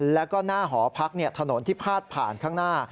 แล้วก็หน้าหอพักถนนที่พาดผ่านข้างหน้า